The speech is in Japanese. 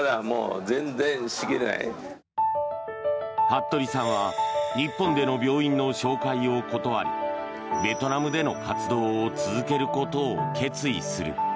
服部さんは日本での病院の紹介を断りベトナムでの活動を続けることを決意する。